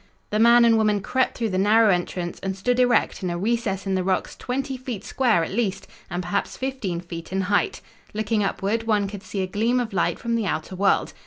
The man and woman crept through the narrow entrance and stood erect in a recess in the rocks twenty feet square, at least, and perhaps fifteen feet in height. Looking upward one could see a gleam of light from the outer world.